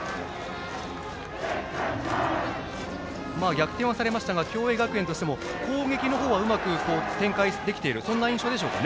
逆転はされましたが共栄学園としては攻撃の方はうまく展開できている印象ですか。